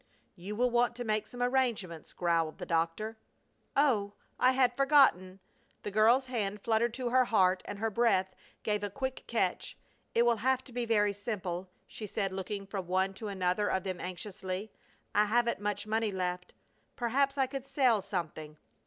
"You will want to make some arrangements," growled the doctor. "Oh! I had forgotten!" The girl's hand fluttered to her heart and her breath gave a quick catch. "It will have to be very simple," she said, looking from one to another of them anxiously. "I haven't much money left. Perhaps I could sell something!"